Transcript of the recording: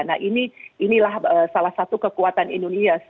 nah inilah salah satu kekuatan indonesia